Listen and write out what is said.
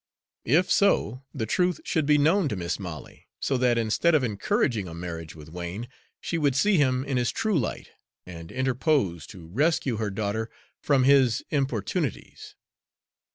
If so, the truth should be known to Mis' Molly, so that instead of encouraging a marriage with Wain, she would see him in his true light, and interpose to rescue her daughter from his importunities.